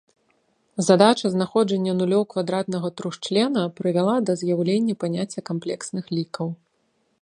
Задача знаходжання нулёў квадратнага трохчлена прывяла да з'яўлення паняцця камплексных лікаў.